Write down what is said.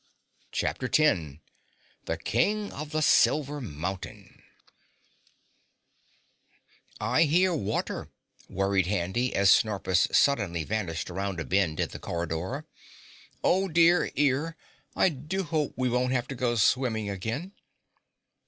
CHAPTER 10 The King of the Silver Mountain "I hear water," worried Handy as Snorpus suddenly vanished round a bend in the corridor. "Oh, dear ear, I do hope we won't have to go swimming again."